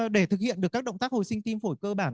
để thực hiện được các động tác hồi sinh tim phổi cơ bản